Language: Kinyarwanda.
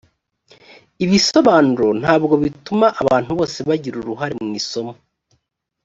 ibisobanuro nta bwo bituma abantu bose bagira uruhare mu isomo